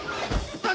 あ！